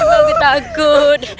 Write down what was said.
ibu aku takut